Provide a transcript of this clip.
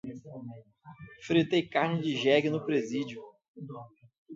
fritei carne de jegue no presídio